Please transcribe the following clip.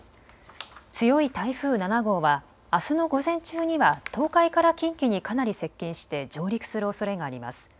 強い台風７号はあすの午前中には東海から近畿にかなり接近して上陸するおそれがあります。